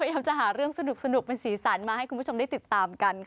เดี๋ยวจะหาเรื่องสนุกเป็นสีสันมาให้คุณผู้ชมได้ติดตามกันค่ะ